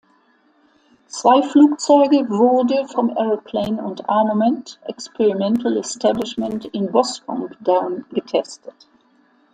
Zwei Flugzeuge wurde vom Aeroplane and Armament Experimental Establishment in Boscombe Down getestet.